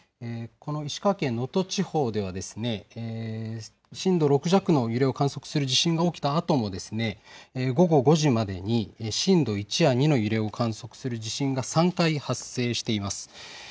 石川県能登地方では震度６弱の揺れを観測する地震が起きたあとも午後５時までに震度１や２の揺れを観測する地震が３回発生しています。